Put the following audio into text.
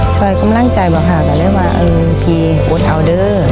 ช่วยกำลังใจบอกค่ะก็เลยว่าเออพี่อดเอาเด้อ